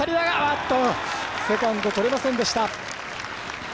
セカンドとれませんでした。